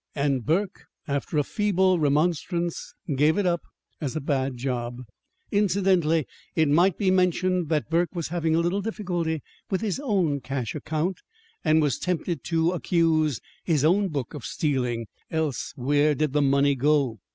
And Burke, after a feeble remonstrance, gave it up as a bad job. Incidentally it might be mentioned that Burke was having a little difficulty with his own cash account, and was tempted to accuse his own book of stealing else where did the money go?